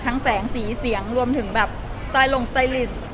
แสงสีเสียงรวมถึงแบบสไตล์ลงสไตลิสต์